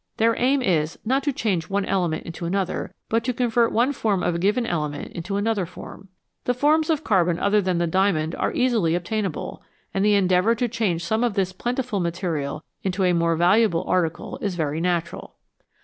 Their aim is, not to change one element into another, but to convert one form of a given element into another form. The forms of carbon other than the diamond are easily obtainable, and the endeavour to change some of this plentiful material into a more valu able article is very natural.